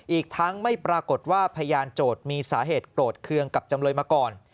อีกทั้งไม่ปรากฏว่าพยานโจทย์มีสาเหตุโกรธเคืองกับจำเลยมาก่อน